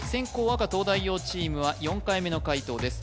赤東大王チームは４回目の解答です